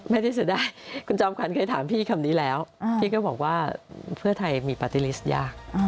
ไม่ได้เสียดายคุณจอมขวัญเคยถามพี่คำนี้แล้วพี่ก็บอกว่าเพื่อไทยมีปาร์ตี้ลิสต์ยาก